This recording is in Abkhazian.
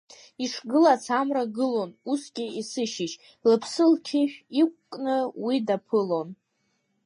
Ишгылац амра гылон усгьы есышьыжь, лыԥсы лқьышә иқәкны уи даԥылон.